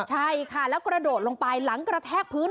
ใช่ค่ะแล้วกระโดดลงไปหลังกระแทกพื้น